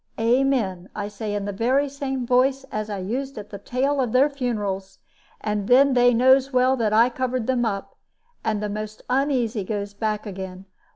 'Amen,' I say, in the very same voice as I used at the tail of their funerals; and then they knows well that I covered them up, and the most uneasy goes back again.